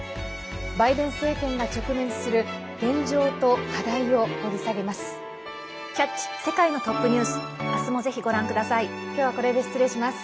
バイデン政権が直面する現状と課題を掘り下げます。